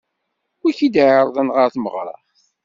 Wi k-iɛeṛḍen ɣer tmeɣṛa?